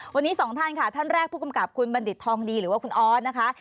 วันนี้สองท่านค่ะท่านแรกผู้กำกับคุณบัณฑิตทองดีหรือว่าคุณออสนะคะ